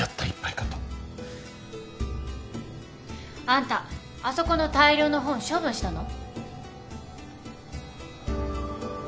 あんたあそこの大量の本処分したの？